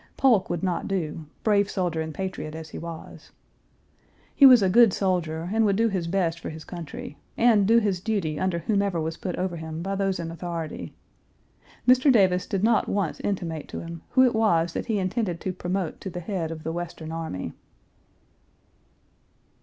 Polk would not do, brave soldier and patriot as he was. He was a good soldier, and would do his best for his country, and do his duty under whomever was put over him by those in authority. Mr. Davis did not once intimate to him who it was that he intended to promote to the head of the Western Army.